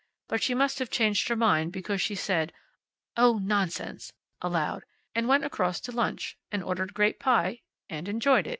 But she must have changed her mind, because she said, "Oh, nonsense!" aloud. And went across to lunch. And ordered grape pie. And enjoyed it.